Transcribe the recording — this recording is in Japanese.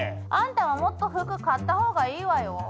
あんたはもっと服買った方がいいわよ。